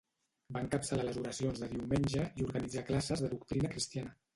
Va encapçalar les oracions de diumenge i organitzà classes de doctrina cristiana.